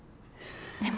でも。